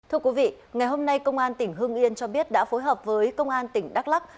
thưa quý vị ngày hôm nay công an tỉnh hưng yên cho biết đã phối hợp với công an tỉnh đắk lắc